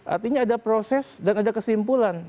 artinya ada proses dan ada kesimpulan